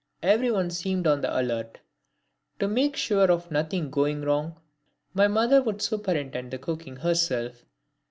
Everyone seemed on the alert. To make sure of nothing going wrong, my mother would superintend the cooking herself.